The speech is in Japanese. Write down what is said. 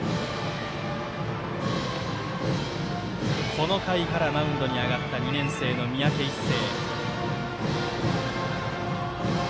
この回から、マウンドに上がった２年生の三宅一誠。